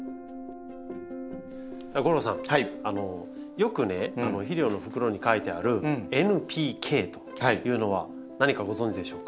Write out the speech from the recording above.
よくね肥料の袋に書いてあるというのは何かご存じでしょうか？